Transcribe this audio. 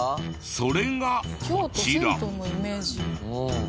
それがこちら。